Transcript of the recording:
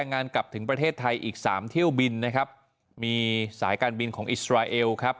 จากประเทศไทยอีก๓เที่ยวบินนะครับมีสารการบินของอิสราเอลครับ